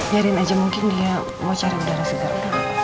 jarin aja mungkin dia mau cari udara segera